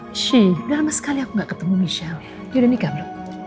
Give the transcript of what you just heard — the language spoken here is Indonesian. udah lama sekali aku gak ketemu michelle dia udah nikah belum